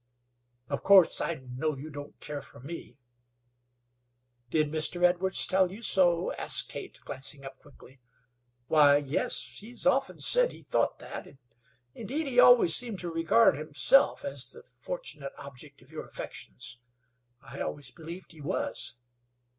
"Of course I know you don't care for me " "Did Mr. Edwards tell you so?" asked Kate, glancing up quickly. "Why, yes, he has often said he thought that. Indeed, he always seemed to regard himself as the fortunate object of your affections. I always believed he was."